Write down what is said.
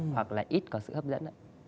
hoặc là ít có sự hấp dẫn